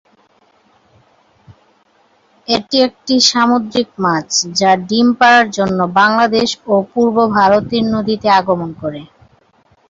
এটি একটি সামুদ্রিক মাছ, যা ডিম পাড়ার জন্য বাংলাদেশ ও পূর্ব ভারতের নদীতে আগমন করে।